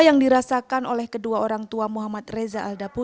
yang tidak lulus uji kesehatan pada misi penjemputan di tiongkok januari lalu informasi